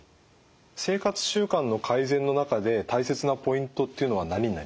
生活習慣の改善の中で大切なポイントっていうのは何になりますか？